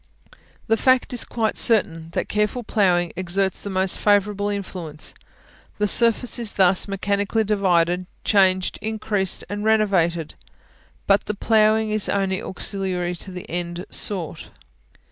The fact is quite certain, that careful ploughing exerts the most favourable influence: the surface is thus mechanically divided, changed, increased, and renovated; but the ploughing is only auxiliary to the end sought.